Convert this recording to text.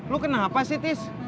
lu kenapa sih tis